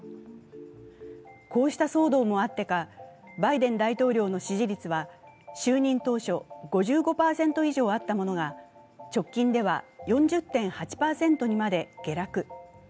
こうした騒動もあってか、バイデン大統領の支持率は就任当初５５％以上あったものが、直近では４０．８％にまで下落。